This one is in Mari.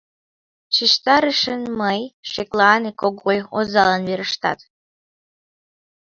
Шижтарышын мый: «Шеклане, Когой, озалан верештат».